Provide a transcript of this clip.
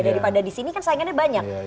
daripada disini kan saingannya banyak